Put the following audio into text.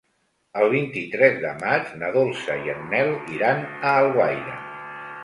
El vint-i-tres de maig na Dolça i en Nel iran a Alguaire.